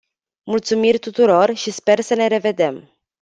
Mulțumiri tuturor și sper să ne revedem.